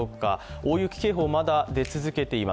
大雪警報、まだ出続けています。